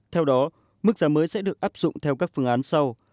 theo đó mức giá mới sẽ được áp dụng theo các phương án sau